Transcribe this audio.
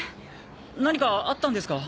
何かあったんですか？